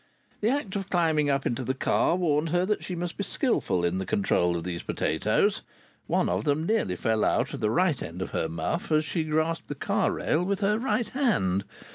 The act of climbing up into the car warned her that she must be skilful in the control of these potatoes; one of them nearly fell out of the right end of her muff as she grasped the car rail with her right hand.